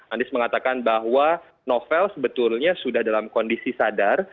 anies mengatakan bahwa novel sebetulnya sudah dalam kondisi sadar